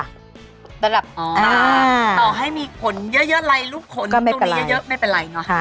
ระดับอ๋ออ่าต่อให้มีผลเยอะเยอะไรรูปขนตรงนี้เยอะเยอะไม่เป็นไรเนอะค่ะ